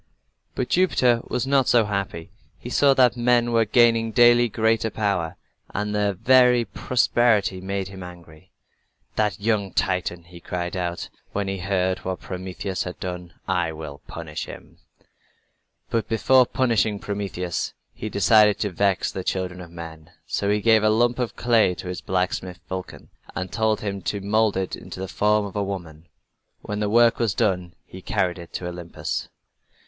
But Jupiter was not so happy. He saw that men were gaining daily greater power, and their very prosperity made him angry. "That young Titan!" he cried out, when he heard what Prometheus had done. "I will punish him." But before punishing Prometheus he decided to vex the children of men. So he gave a lump of clay to his blacksmith, Vulcan, and told him to mold it in the form of a woman. When the work was done he carried it to Olympus.